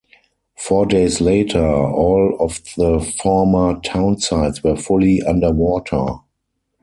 Four days later, all of the former townsites were fully underwater.